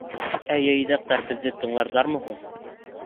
— Ә, Яйҙаҡтар, беҙҙе тыңларҙармы һуң?